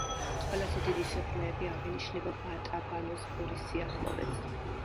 ყველაზე დიდი სიღრმეები აღინიშნება ბატაბანოს ყურის სიახლოვეს.